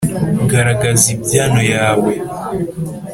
Garagaza ibyano yawe